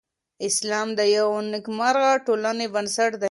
اسلام د یوې نېکمرغه ټولنې بنسټ دی.